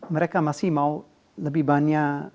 mereka masih mau lebih banyak